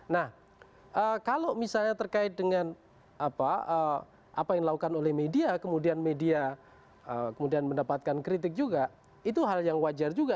nah kalau misalnya terkait dengan apa yang dilakukan oleh media kemudian media kemudian mendapatkan kritik juga itu hal yang wajar juga